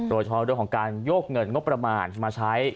โดยเฉพาะเรื่องของการโยกเงินงบประมาณมาใช้